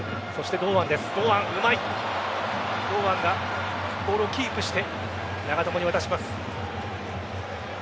堂安がボールをキープして長友に渡します。